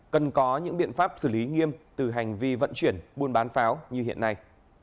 cần có những biện pháp xử lý nghiêm từ hành vi vận chuyển buôn bán pháo như hiện nay